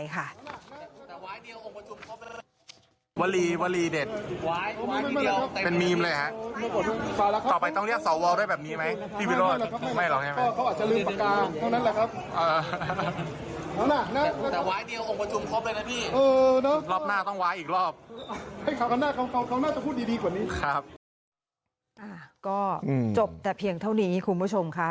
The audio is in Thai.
ก็จบแต่เพียงเท่านี้คุณผู้ชมค่ะ